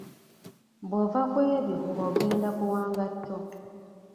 Bw’ova ku ebyo ng’ogenda ku wangatto.